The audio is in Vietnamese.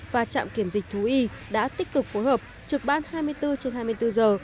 và trạm kiểm dịch thú y đã tích cực phối hợp trực ban hai mươi bốn trên hai mươi bốn giờ